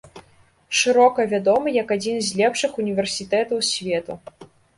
Шырока вядомы як адзін з лепшых універсітэтаў свету.